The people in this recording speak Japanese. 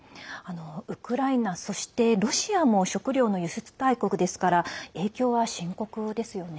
ウクライナ、そしてロシアも食糧の輸出大国ですから影響は深刻ですよね。